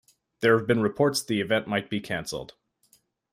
There have been reports the event might be canceled.